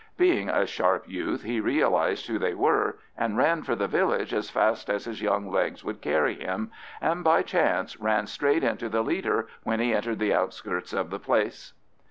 Being a sharp youth he realised who they were, and ran for the village as fast as his young legs would carry him, and by chance ran straight into the leader when he entered the outskirts of the place.